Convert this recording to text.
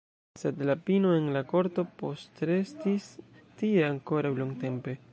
Sed la pino en la korto postrestis tie ankoraŭ longtempe.